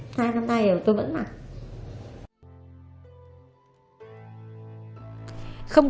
anh hiếu là con trai út là người súng tình cảm thương mẹ